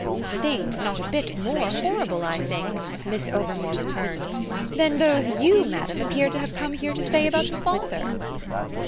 "Things not a bit more horrible, I think," Miss Overmore returned, "than those you, madam, appear to have come here to say about the father!"